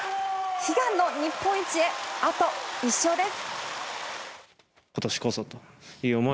悲願の日本一へあと１勝です。